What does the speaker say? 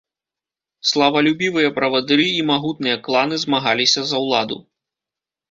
Славалюбівыя правадыры і магутныя кланы змагаліся за ўладу.